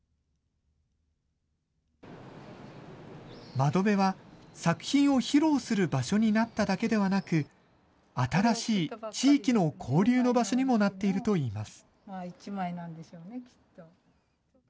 窓辺は、作品を披露する場所になっただけではなく、新しい地域の交流の場所にもなっているといいます。